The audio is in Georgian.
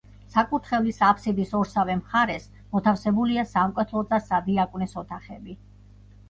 საკურთხევლის აბსიდის ორსავე მხარეს მოთავსებულია სამკვეთლოს და სადიაკვნეს ოთახები.